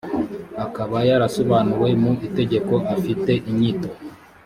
akaba yarasobanuwe mu itegeko afite inyito